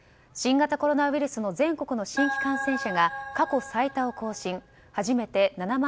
新型コロナウイルスの全国の新規感染者が過去最多を更新。